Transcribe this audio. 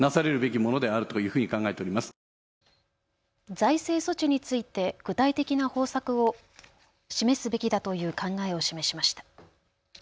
財政措置について具体的な方策を示すべきだという考えを示しました。